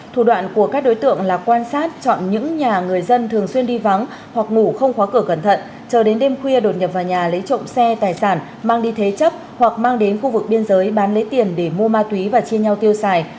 thủ đoạn của các đối tượng là quan sát chọn những nhà người dân thường xuyên đi vắng hoặc ngủ không khóa cửa cẩn thận chờ đến đêm khuya đột nhập vào nhà lấy trộm xe tài sản mang đi thế chấp hoặc mang đến khu vực biên giới bán lấy tiền để mua ma túy và chia nhau tiêu xài